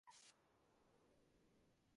আমি তোমাকে বিরক্ত না করার চেষ্টা করব।